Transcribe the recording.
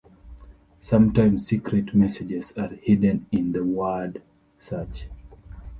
Sometimes secret messages are hidden in the word search.